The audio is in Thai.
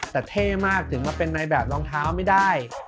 แต่เท่มากถึงมาเป็นในแบบรองเท้าไม่ได้